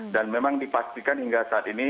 dan memang dipastikan hingga saat ini